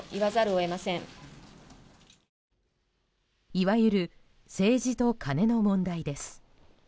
いわゆる政治とカネの問題です。